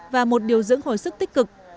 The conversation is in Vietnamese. và một điều dưỡng hồi sức tích cực